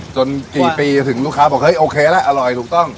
จนกี่ปีถึงลูกค้าบอกเฮ้ยโอเคละอร่อยถูกต้อง